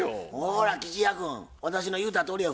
ほら吉弥君私の言うたとおりや。